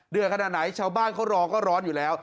ขนาดไหนชาวบ้านเขารอก็ร้อนอยู่แล้ว